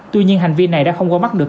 tuy nhiên hành vi này đã không qua mắt được